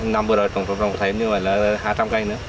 năm bữa đầu trồng thêm nhưng mà là hai trăm linh cây nữa